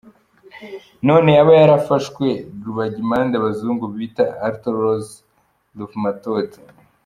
None yaba yarafashwe na rubagimpande abazungu bita “arthrose-rhumatoide”?